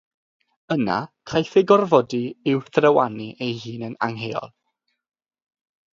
Yna, caiff ei gorfodi i'w thrywanu ei hun yn angheuol.